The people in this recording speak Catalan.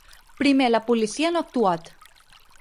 Primer, la policia no ha actuat.